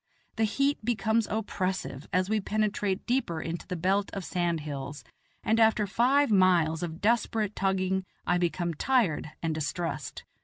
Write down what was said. The heat becomes oppressive as we penetrate deeper into the belt of sand hills, and after five miles of desperate tugging I become tired and distressed.